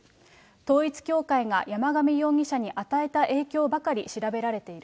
統一教会が山上容疑者に与えた影響ばかり調べられている。